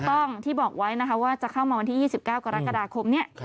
ถูกต้องที่บอกไว้นะคะว่าจะเข้ามาวันที่๒๙กรกฎาคมนี้